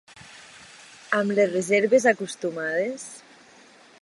Amb les reserves acostumades.